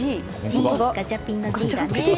ガチャピンのＧだね。